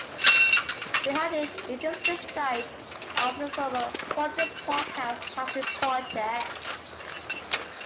Behind it is the site of the former 'Fawdon Park House' Housing Project.